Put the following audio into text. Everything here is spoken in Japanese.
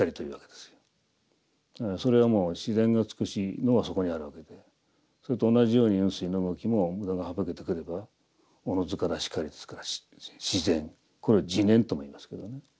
それはもう自然が美しいのはそこにあるわけでそれと同じように雲水の動きも無駄が省けてくれば自ずから然りですから自然これを「じねん」とも言いますけどね